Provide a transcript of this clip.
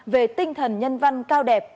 về tinh thần nhân văn cao đẹp